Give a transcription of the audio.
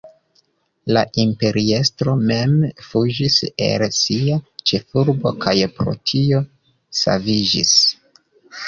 La imperiestro mem fuĝis el sia ĉefurbo kaj pro tio saviĝis.